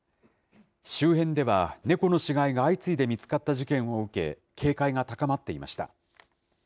周辺では、猫の死骸が相次いで見つかった事件を受け、警戒が高まっていました。